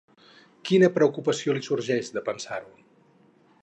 Quina preocupació li sorgeix de pensar-ho?